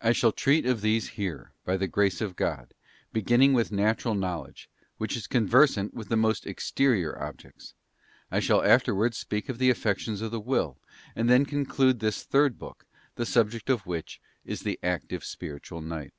I shall treat of these here, by the grace of God, beginning with natural knowledge, which is conversant with the most exterior objects; and I shall afterwards speak of the affections of the Will, and then conclude this third book, the subject of which is the Active Spiritual Night.